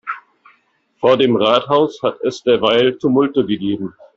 Vor dem Rathaus hat es derweil Tumulte gegeben.